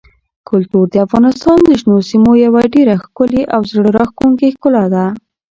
کلتور د افغانستان د شنو سیمو یوه ډېره ښکلې او زړه راښکونکې ښکلا ده.